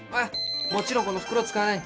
もちろんこの袋使わない。